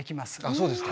そうですか。